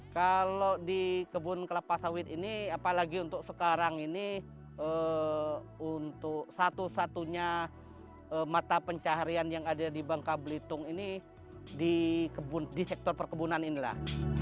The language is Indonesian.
kalau di kebun kelapa sawit ini apalagi untuk sekarang ini untuk satu satunya mata pencaharian yang ada di bangka belitung ini di sektor perkebunan inilah